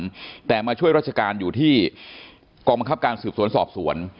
แต่มาช่วยราชการอยู่ที่กองบังคับการสืบสวนสอบสวน